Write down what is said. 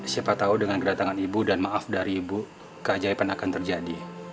siapa tahu dengan kedatangan ibu dan maaf dari ibu keajaiban akan terjadi